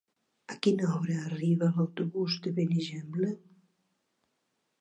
A quina hora arriba l'autobús de Benigembla?